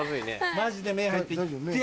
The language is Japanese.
マジで目入った痛。